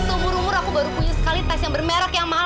seumur umur aku baru punya sekali tas yang bermerek yang mahal